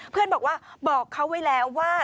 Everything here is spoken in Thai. เพื่อนบอกว่าบอกเขาไว้แล้วว่า